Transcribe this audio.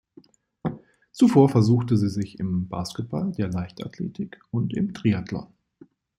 Zuvor versuchte sie sich im Basketball, der Leichtathletik und im Triathlon.